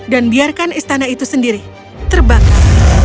dan biarkan istana itu sendiri terbakar